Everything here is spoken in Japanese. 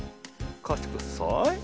かしてください。